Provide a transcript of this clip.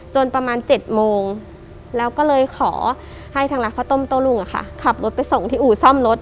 ประมาณ๗โมงแล้วก็เลยขอให้ทางร้านข้าวต้มโต้รุ่งขับรถไปส่งที่อู่ซ่อมรถ